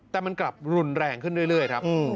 แต่มันกลับรุนแรงขึ้นเรื่อยครับ